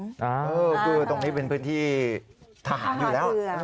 คือตรงนี้เป็นพื้นที่ทหารอยู่แล้ว